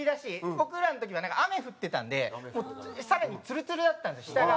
僕らの時は雨降ってたのでさらにツルツルだったんです下が。